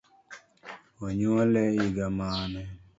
Onyuole higa mane?